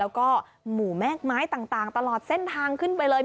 แล้วก็หมู่แม่กไม้ต่างตลอดเส้นทางขึ้นไปเลย